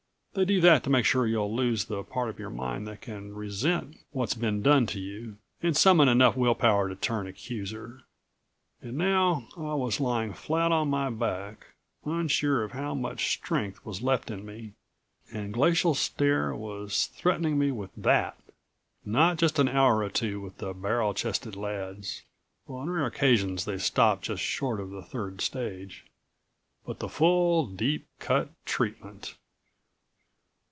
They do that to make sure you'll lose the part of your mind that can resent what's been done to you, and summon enough will power to turn accuser. And now I was lying flat on my back, unsure of how much strength was left in me, and Glacial Stare was threatening me with that! Not just an hour or two with the barrel chested lads on rare occasions they stopped just short of the third stage but the full, deep cut treatment.